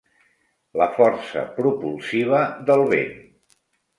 La força propulsiva del vent.